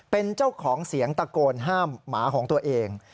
เป็นเจ้าของเสียงตะโกนห้ามหมาของตัวเอง